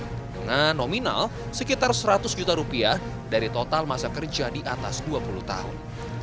dengan nominal sekitar seratus juta rupiah dari total masa kerja di atas dua puluh tahun